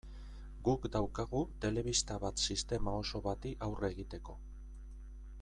Guk daukagu telebista bat sistema oso bati aurre egiteko.